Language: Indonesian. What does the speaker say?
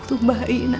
waktu bayi anak